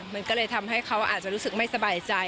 มันก็เลยทำให้เขาอาจจะรู้สึกไม่สบายใจ